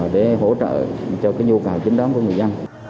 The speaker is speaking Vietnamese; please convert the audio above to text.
để hỗ trợ cho nhu cầu chính đáng của người dân